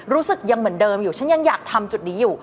รู้สึกยังเหมือนเดิมอยู่ฉันยังอยากทำจุดนี้อยู่